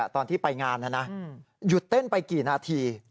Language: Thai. ตอนที่ไปงานนะนะหยุดเต้นไปกี่นาที